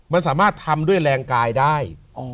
มันสามารถทำด้วยแรงกายได้